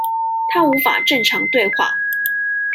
他無法正常對話